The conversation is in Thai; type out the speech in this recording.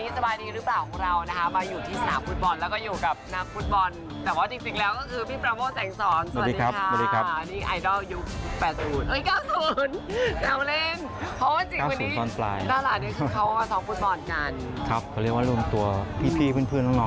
สวัสดีค่ะวันนี้สบายดีหรือเปล่าของเรานะคะ